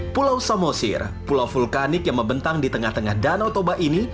pulau samosir pulau vulkanik yang membentang di tengah tengah danau toba ini